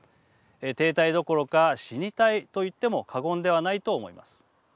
停滞どころか死に体といっても過言ではないと思います。